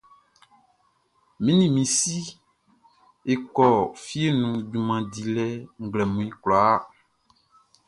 N ni mi si e kɔ fie nun junman dilɛ nglɛmun kwlaa.